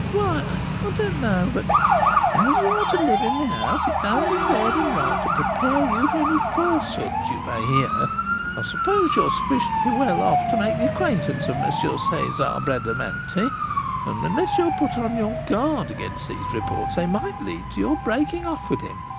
"Why, I don't know but, as you are to live in the house, it is only fair and right to prepare you for any falsehoods you may hear. I suppose you are sufficiently well off to make the acquaintance of M. César Bradamanti, and unless you are put on your guard against these reports, they might lead to your breaking off with him.